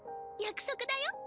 約束だよ。